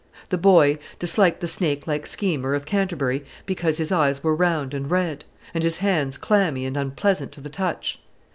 The boy disliked the snake like schemer of Canterbury because his eyes were round and red, and his hands clammy and unpleasant to the touch.